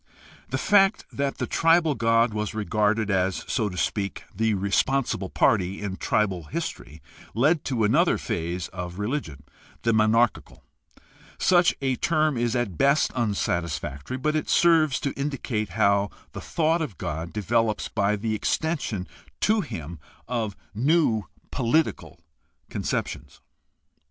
— The fact that the tribal god was regarded as, so to speak, the responsible party in tribal history led to another phase of religion, the monarchical. Such a term is at best unsatisfactory, but it serves to indicate how the thought of God develops by the extension to him of new political conceptions.